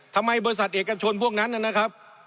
บริษัทเอกชนพวกนั้นนะครับ